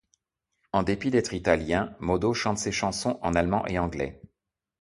En dépit d'être Italien, Mo-Do chante ses chansons en allemand et anglais.